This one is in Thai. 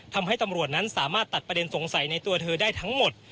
ทำให้ตำรวจนั้นสามารถตัดประเด็นสงสัยในตัวเธอได้ทั้งหมด